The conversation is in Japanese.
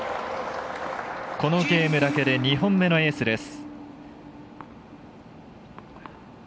このゲームだけで２本目のエースです。